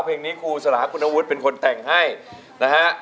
เพลงนี้ครูสลาคุณวุฒิเป็นคนแต่งให้นะฮะ